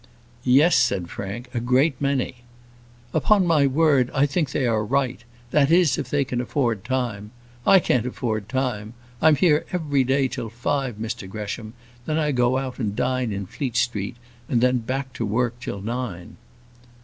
"Yes," said Frank; "a great many." "Upon my word, I think they are right; that is, if they can afford time. I can't afford time. I'm here every day till five, Mr Gresham; then I go out and dine in Fleet Street, and then back to work till nine."